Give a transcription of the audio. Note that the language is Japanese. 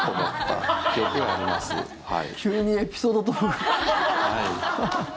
急にエピソードトーク。